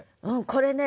これね